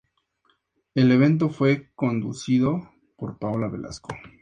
El evento fue conducido por Paola Velasco.